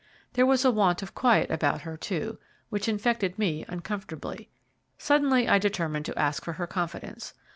There was a want of quiet about her, too, which infected me uncomfortably. Suddenly I determined to ask for her confidence.